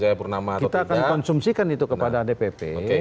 kita akan konsumsikan itu kepada dpp